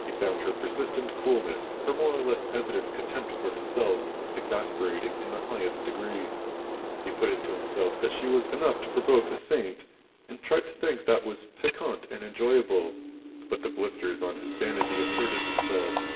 He found her persistent coolness, her more or less evident contempt for himself, exasperating in the highest degree. He put it to himself that she was enough to provoke a saint, and tried to think that was piquant and enjoyable, but the blisters on his vanity asserted themselves.